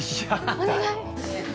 お願い！